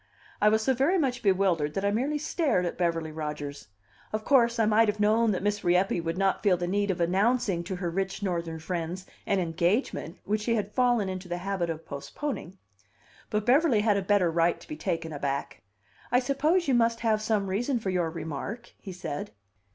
I was so very much bewildered that I merely stared at Beverly Rodgers. Of course, I might have known that Miss Rieppe would not feel the need of announcing to her rich Northern friends an engagement which she had fallen into the habit of postponing. But Beverly had a better right to be taken aback. "I suppose you must have some reason for your remark," he said.